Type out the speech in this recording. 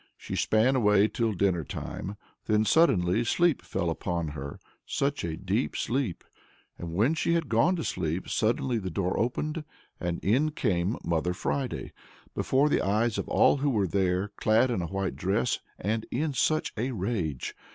She span away till dinner time, then suddenly sleep fell upon her such a deep sleep! And when she had gone to sleep, suddenly the door opened and in came Mother Friday, before the eyes of all who were there, clad in a white dress, and in such a rage!